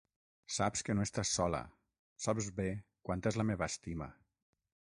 Saps que no estàs sola, saps bé quanta és la meva estima.